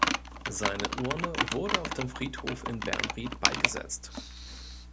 Seine Urne wurde auf dem Friedhof in Bernried beigesetzt.